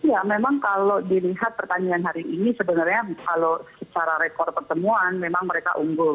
ya memang kalau dilihat pertandingan hari ini sebenarnya kalau secara rekor pertemuan memang mereka unggul